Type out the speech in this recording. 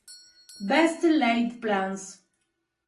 Best Laid Plans